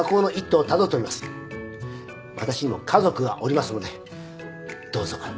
私にも家族がおりますのでどうぞご理解ください。